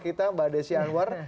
kita mbak desi anwar